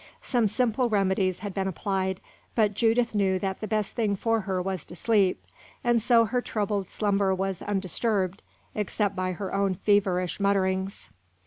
Some simple remedies had been applied, but Judith knew that the best thing for her was to sleep, and so her troubled slumber was undisturbed except by her own feverish mutterings.